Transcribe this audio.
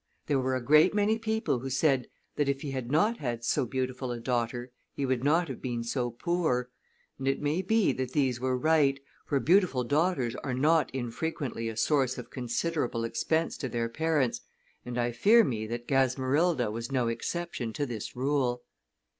There were a great many people who said that if he had not had so beautiful a daughter he would not have been so poor, and it may be that these were right, for beautiful daughters are not infrequently a source of considerable expense to their parents, and I fear me that Gasmerilda was no exception to this rule.